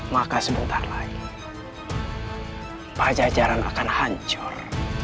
maka sebentar lagi pajajaran akan hancur